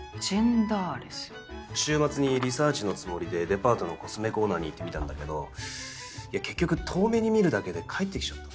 週末にリサーチのつもりでデパートのコスメコーナーに行ってみたんだけど結局遠目に見るだけで帰ってきちゃったんだよね。